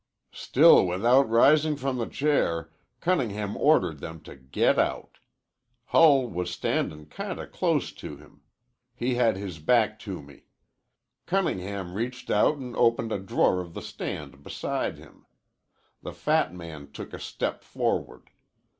"Still without rising from the chair, Cunningham ordered them to get out. Hull was standin' kinda close to him. He had his back to me. Cunningham reached out an' opened a drawer of the stand beside him. The fat man took a step forward.